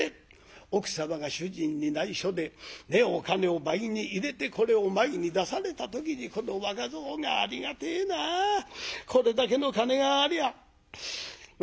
奥様が主人にないしょでお金を倍に入れてこれを前に出された時にこの若蔵が「ありがてえなあこれだけの金がありゃな？